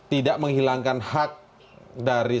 tidak menghilangkan hak dari